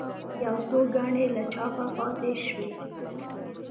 یو څو ګڼې له چاپه پاتې شوې.